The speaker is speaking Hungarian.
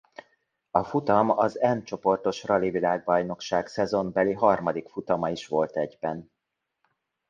A futam az N csoportos rali-világbajnokság szezonbeli harmadik futama is volt egyben.